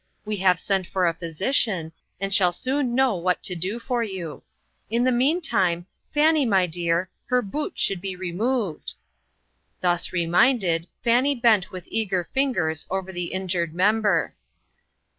We have sent for a physician, and shall soon know what to do for you. In the meantime, Fannie, my dear, her boot should be re moved." Thus reminded, Fannie bent with eager fingers over the injured member.